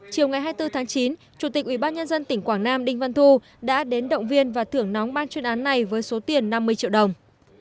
chiều ngày hai mươi bốn tháng chín chủ tịch ubnd tỉnh quảng nam đinh văn thu đã đến động viên và thưởng nóng ban chuyên án này với số tiền năm mươi triệu đồng